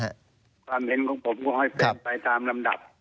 ความเห็นของผมก็ให้เป็นไปตามลำดับ